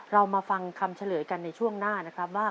เรามาฟังคำเฉลยกันในช่วงหน้านะครับว่า